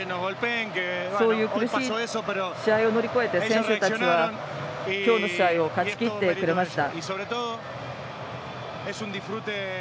そういう苦しい試合を乗り越えて選手たちは、今日の試合を勝ちきってくれました。